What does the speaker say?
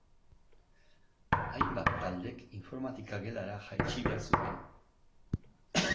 Hainbat taldek informatika gelara jaitsi behar zuten.